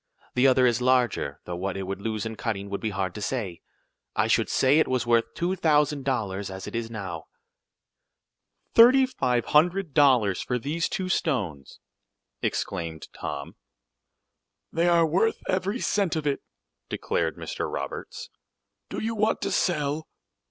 The other is larger, though what it would lose in cutting would be hard to say. I should say it was worth two thousand dollars as it is now." "Thirty five hundred dollars for these two stones!" exclaimed Tom. "They are worth every cent of it," declared Mr. Roberts. "Do you want to sell?"